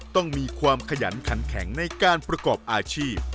ต้องมีความขยันขันแข็งในการประกอบอาชีพ